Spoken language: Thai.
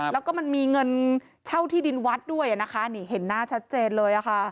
แล้วก็มันมีเงินเช่าที่ดินวัดด้วยนะคะนี่เห็นหน้าชัดเจนเลย